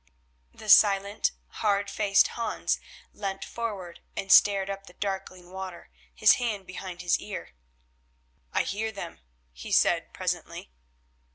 The silent, hard faced Hans leant forward and stared up the darkling water, his hand behind his ear. "I hear them," he said presently.